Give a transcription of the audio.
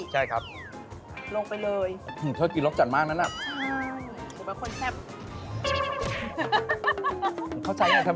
จะมีความกรุบนะครับ